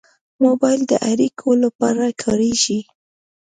موبایل د اړیکو لپاره کارېږي.